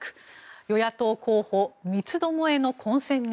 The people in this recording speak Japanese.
与野党候補、三つ巴の混戦に。